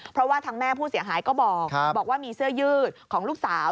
เพราะว่าทางแม่ผู้เสียหายก็บอกว่ามีเสื้อยืดของลูกสาว